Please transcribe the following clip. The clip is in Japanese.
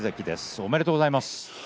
ありがとうございます。